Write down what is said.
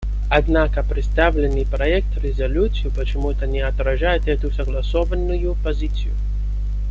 Однако представленный проект резолюции почему-то не отражает эту согласованную позицию.